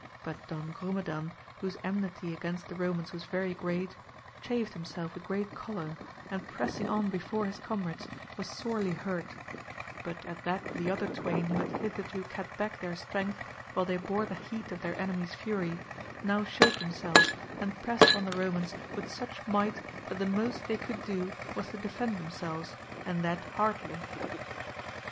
But Don Grumedan, whose enmity against the Eomans was very great, chafed himself with great choler, and pressing on before his comrades was sorely hurt : but at that the other twain who had hitherto kept back their strength while they bore the heat of their enemies' fury, now showed themselves, and pressed on the Eomans with such might that the most they could do was to defend themselves, and that hardly.